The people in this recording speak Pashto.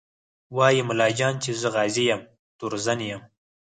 وايي ملا جان چې زه غازي یم تورزن یم